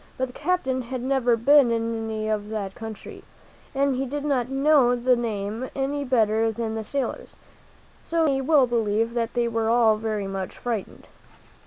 But the captain had never been in any of that country, and he did not know the name any better than the sailors; so you may well believe that they were all very much frightened.